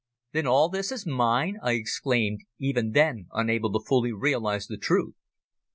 "Then all this is mine!" I exclaimed, even then unable to fully realise the truth.